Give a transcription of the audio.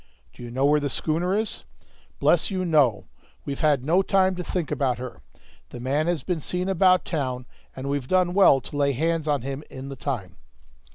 "Do you know where the schooner is?" "Bless you, no, we've had no time to think about her; the man had been seen about town, and we've done well to lay hands on him in the time."